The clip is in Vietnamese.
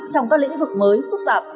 trong các lĩnh vực mới phức tạp